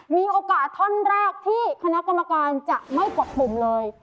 มีโอกาสท่อนแรกที่คณะกรรมการจะไม่กดปุ่มเลย